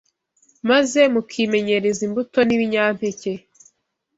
maze mukimenyereza imbuto n’ibinyampeke